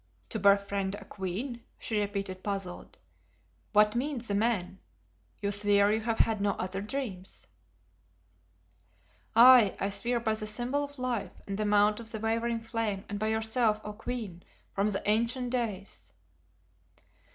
"To befriend a queen," she repeated puzzled. "What means the man? You swear you have had no other dreams?" "Aye, I swear by the Symbol of Life and the Mount of the Wavering Flame, and by yourself, O Queen from the ancient days."